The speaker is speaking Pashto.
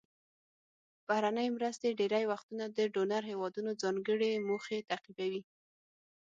بهرنۍ مرستې ډیری وختونه د ډونر هیوادونو ځانګړې موخې تعقیبوي.